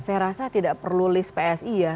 saya rasa tidak perlu list psi ya